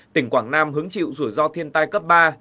tỉnh quảng nam hứng chịu rủi ro thiên tai cấp ba